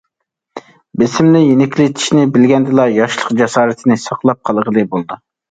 بېسىمنى يېنىكلىتىشنى بىلگەندىلا ياشلىق جاسارىتىنى ساقلاپ قالغىلى بولىدۇ.